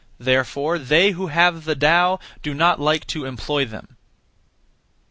Therefore they who have the Tao do not like to employ them. 2.